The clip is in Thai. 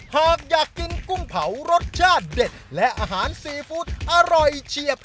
หากอยากกินกุ้งเผารสชาติเด็ดและอาหารซีฟู้ดอร่อยเฉียบ